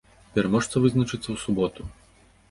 Пераможца вызначыцца ў суботу.